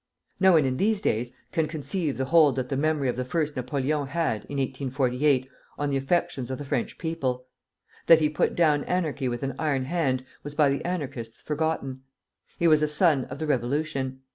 No one in these days can conceive the hold that the memory of the First Napoleon had, in 1848, on the affections of the French people. That he put down anarchy with an iron hand was by the Anarchists forgotten. He was a son of the Revolution.